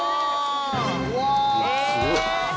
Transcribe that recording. すごい。